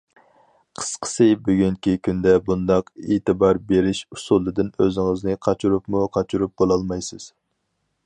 قىسقىسى، بۈگۈنكى كۈندە بۇنداق ئېتىبار بېرىش ئۇسۇلىدىن ئۆزىڭىزنى قاچۇرۇپمۇ قاچۇرۇپ بولالمايسىز.